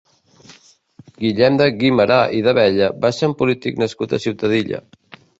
Guillem de Guimerà i d'Abella va ser un polític nascut a Ciutadilla.